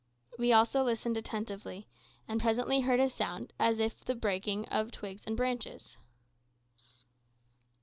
We also listened attentively, and presently heard a sound as of the breaking of twigs and branches.